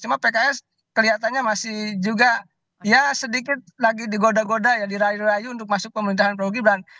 cuma pks kelihatannya masih juga ya sedikit lagi digoda goda ya dirayu rayu untuk masuk pemerintahan prabowo gibran